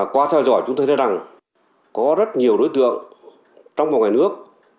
qua theo dõi chúng tôi thấy rằng có rất nhiều đối tượng trong mọi người nước